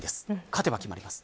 勝てば決まります。